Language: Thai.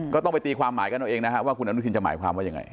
ก็ต้องไปตีความหมายกันเอาเองนะครับว่าคุณอนุทินจะหมายความว่ายังไง